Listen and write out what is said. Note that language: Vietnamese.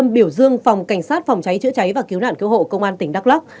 ủy viên biểu dương phòng cảnh sát phòng cháy chữa cháy và cứu nạn cứu hộ công an tỉnh đắk lắk